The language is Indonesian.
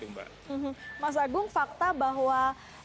mas agung fakta bahwa